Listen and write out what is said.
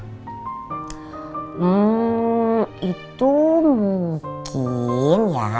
hmm itu mungkin ya